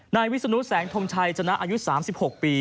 นายวิศนุแสงทงชัยชนะอายุ๓๖ปี